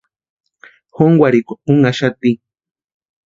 Jónkwarhikwa únhaxati.